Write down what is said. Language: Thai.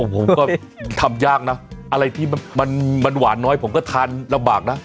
ผมก็ทำยากนะอะไรที่มันหวานน้อยผมก็ทานลำบากนะ